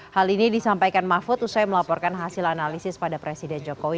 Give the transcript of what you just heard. hal ini disampaikan mahfud usai melaporkan hasil analisis pada presiden jokowi